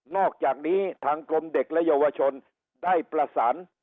อกจากนี้ทางกรมเด็กและเยาวชนได้ประสาน